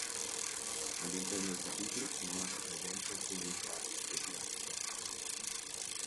All'interno dei capitoli sono anche presenti alcuni riquadri presi da fotografie.